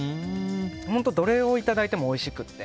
本当、どれをいただいてもおいしくて。